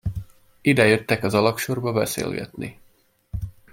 Ide jöttek az alagsorba beszélgetni.